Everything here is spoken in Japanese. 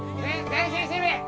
前進守備！